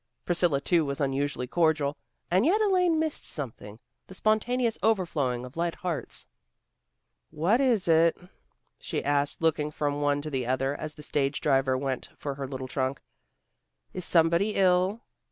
Priscilla too was unusually cordial. And yet Elaine missed something, the spontaneous overflowing of light hearts. "What is it?" she asked, looking from one to the other, as the stage driver went for her little trunk. "Is anybody ill?